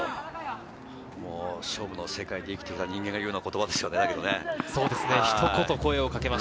勝負の世界で生きていた人間が言うような言葉ですよね。